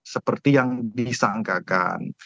seperti yang disangkakan